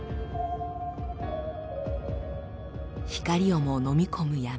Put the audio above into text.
光をものみ込む闇。